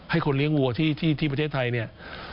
คนเลี้ยงวัวที่ประเทศไทยเนี่ย